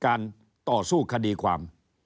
การต่อสู้คดีความ